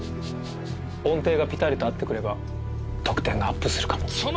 「音程がピタリとあってくれば得点がアップするかも」。